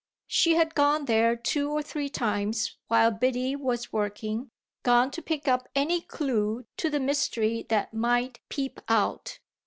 She had gone there two or three times while Biddy was working, gone to pick up any clue to the mystery that might peep out.